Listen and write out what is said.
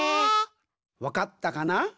わかったかな？